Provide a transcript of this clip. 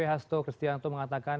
hasto kristianto mengatakan